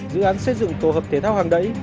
dự án xây dựng tổ hợp thể thao hàng đẩy